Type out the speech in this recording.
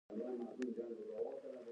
ډګروال له واورې څخه توپانچه راپورته کړه